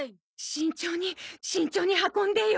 慎重に慎重に運んでよ。